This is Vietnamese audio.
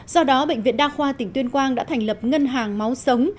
do đó bệnh viện đa khoa tỉnh tuyên quang đã thành lập ngân hàng máu sống